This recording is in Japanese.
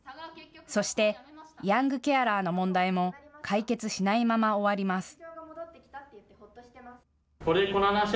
そしてヤングケアラーの問題も解決しないまま終わります。